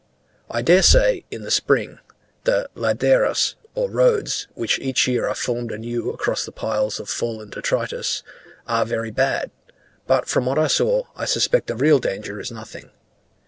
I dare say, in the spring, the "laderas," or roads, which each year are formed anew across the piles of fallen detritus, are very bad; but from what I saw, I suspect the real danger is nothing.